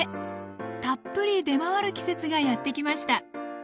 たっぷり出回る季節がやって来ました。